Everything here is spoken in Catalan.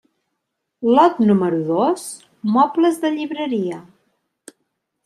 Lot número dos: mobles de llibreria.